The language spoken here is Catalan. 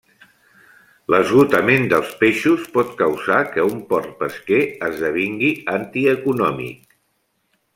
L'esgotament dels peixos pot causar que un port pesquer esdevingui antieconòmic.